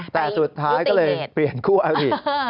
แต่สุดท้ายก็เลยเปลี่ยนคู่อาริ